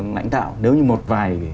lãnh đạo nếu như một vài